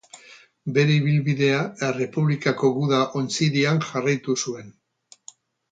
Bere ibilbidea Errepublikako guda-ontzidian jarraitu zuen.